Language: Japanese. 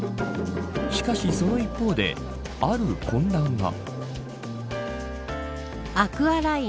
しかし、その一方である混乱が。